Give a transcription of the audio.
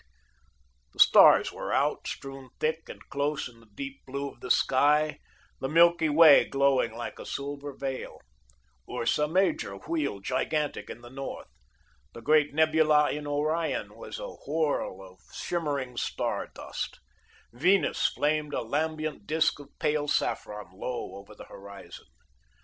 The stars were out, strewn thick and close in the deep blue of the sky, the milky way glowing like a silver veil. Ursa Major wheeled gigantic in the north. The great nebula in Orion was a whorl of shimmering star dust. Venus flamed a lambent disk of pale saffron, low over the horizon.